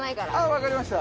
わかりました。